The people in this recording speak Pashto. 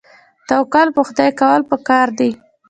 توکل په خدای کول پکار دي